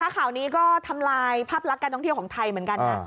ข่าวนี้ก็ทำลายภาพลักษณ์การท่องเที่ยวของไทยเหมือนกันนะ